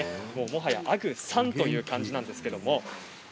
もはやアグさんという感じなんですけれども。